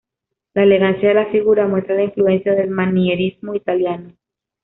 La elegancia de las figuras muestran la influencia del manierismo italiano.